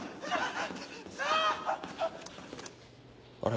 あれ？